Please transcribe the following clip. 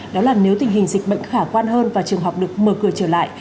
đó là nếu tình hình dịch bệnh khả quan hơn và trường học được mở cửa trở lại